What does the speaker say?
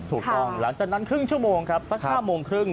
หลังจากนั้นครึ่งชั่วโมงครับสัก๕โมงครึ่ง